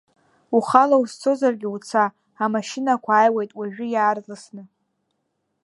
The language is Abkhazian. Ухала узцозаргьы уца, амашьынақәа ааиуеит уажәы иаарласны.